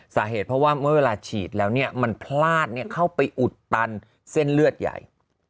สาเหตุเพราะว่าเมื่อเวลาฉีดแล้วเนี่ยมันพลาดเข้าไปอุดตันเส้นเลือดใหญ่